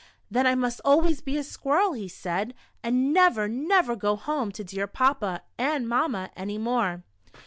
•' Then I must always be a squirrel," he said, " and never, never go home to dear Papa and Mamma any more."